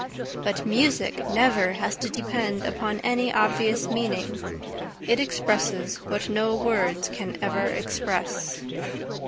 But music never has to depend upon any obvious meaning; it expresses what no words can ever express.